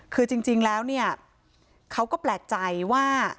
คือจริงแล้วเนี่ยเขาก็แปลกใจว่า